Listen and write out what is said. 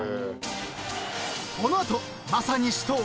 ［この後まさに死闘。